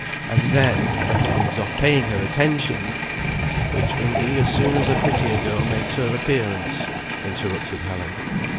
And then, when he leaves off paying her attention " "Which will be as soon as a prettier girl makes her appearance," interrupted Helen.